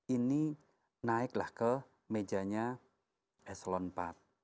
ini naiklah ke mejanya eselon iv